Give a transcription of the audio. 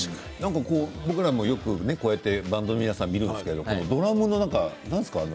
僕らもバンドの皆さんはよく見るんですがドラムの何ですか？